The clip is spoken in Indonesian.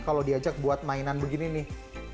kalau diajak buat mainan begini nih